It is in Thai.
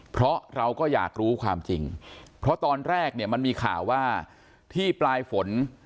เพราะเราก็อยากรู้ความจริงเพราะตอนแรกเนี่ยมันมีข่าวว่าที่ปลายฝน